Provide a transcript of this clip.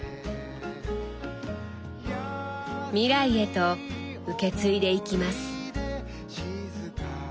未来へと受け継いでいきます。